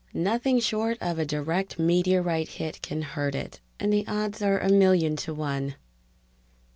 Nothing short of a direct meteorite hit can hurt it, and the odds are a million to one